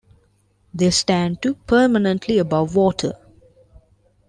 They stand to permanently above water.